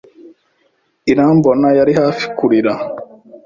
Irambona yari hafi kurira.